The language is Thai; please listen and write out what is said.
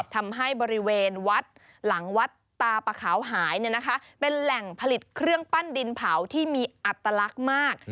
ทำให้บริเวณวัดหลังวัดตาปะขาวหายเป็นแหล่งผลิตเครื่องปั้นดินเผาที่มีอัตลักษณ์มาก